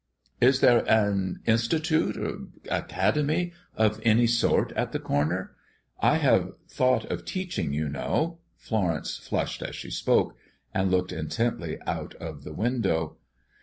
"Is there an institute academy of any sort at the Corner? I have thought of teaching, you know." Florence flushed as she spoke, and looked intently out of the window.